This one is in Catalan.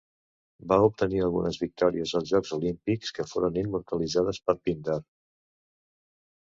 Va obtenir algunes victòries als jocs olímpics que foren immortalitzades per Píndar.